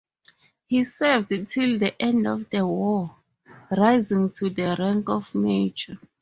He served till the end of the war, rising to the rank of major.